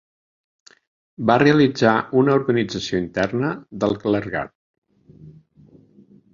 Va realitzar una organització interna del clergat.